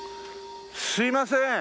すいません。